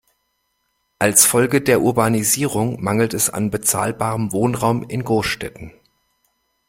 Als Folge der Urbanisierung mangelt es an bezahlbarem Wohnraum in Großstädten.